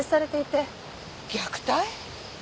虐待！？